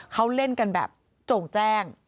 เขาเล่นกันแบบโจ่งแจ้ง